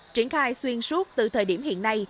triển khai xuyên suốt từ thời điểm hiện nay